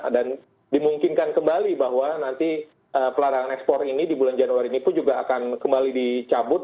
dan dimungkinkan kembali bahwa nanti pelarangan ekspor ini di bulan januari ini pun juga akan kembali dicabut